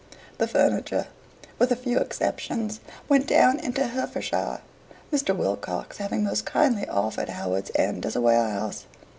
The furniture, with a few exceptions, went down into Hertfordshire, Mr. Wilcox having most kindly offered Howards End as a warehouse.